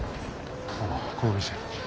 ああこの店。